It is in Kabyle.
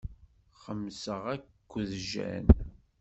Xemmseɣ akked Jane.